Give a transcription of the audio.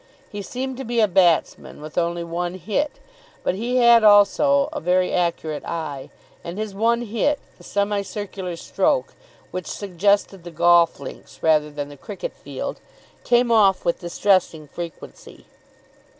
He seemed to be a batsman with only one hit; but he had also a very accurate eye, and his one hit, a semicircular stroke, which suggested the golf links rather than the cricket field, came off with distressing frequency.